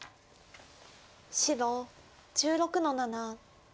白１６の七。